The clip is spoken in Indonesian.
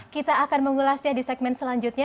kita akan mengulasnya di segmen selanjutnya